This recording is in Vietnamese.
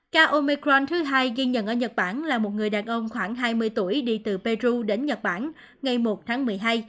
ca omecram thứ hai ghi nhận ở nhật bản là một người đàn ông khoảng hai mươi tuổi đi từ peru đến nhật bản ngày một tháng một mươi hai